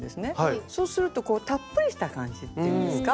そうするとたっぷりした感じっていうんですか。